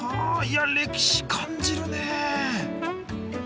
いや歴史感じるね。